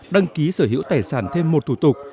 đăng ký sở hữu tài sản thêm một thủ tục